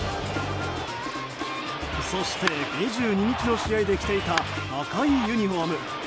そして、２２日の試合で着ていた赤いユニホーム。